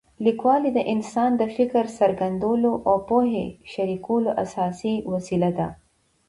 لیکوالي د انسان د فکر څرګندولو او د پوهې شریکولو اساسي وسیله ده.